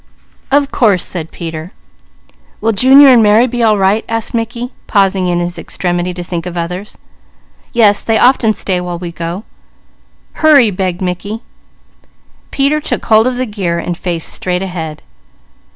"Of course!" said Peter. "Will Junior and Mary be all right?" asked Mickey, pausing in his extremity to think of others. "Yes, they often stay while we go." "Hurry!" begged Mickey. Peter took hold of the gear and faced straight ahead.